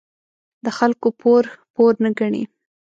د خلکو پور، پور نه گڼي.